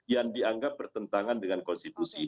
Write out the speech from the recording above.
yang dianggap bertentangan dengan konstitusi